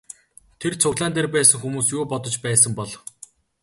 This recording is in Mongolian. Тэр цуглаан дээр байсан хүмүүс юу бодож байсан бол?